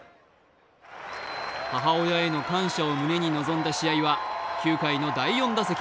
母親への感謝を胸に臨んだ試合は９回の第４打席。